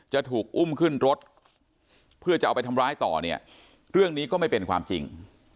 จะถูกอุ้มขึ้นรถเพื่อจะเอาไปทำร้ายต่อเนี่ยเรื่องนี้ก็ไม่เป็นความจริง